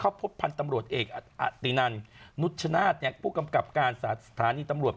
พบพันธ์ตำรวจเอกอตินันนุชชนาธิ์ผู้กำกับการสถานีตำรวจ